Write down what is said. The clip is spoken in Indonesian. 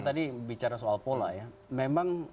tadi bicara soal pola ya memang